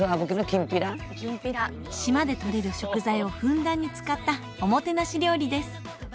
きんぴら島でとれる食材をふんだんに使ったおもてなし料理です